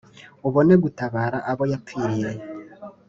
ubone gutabara abo yapfiriye.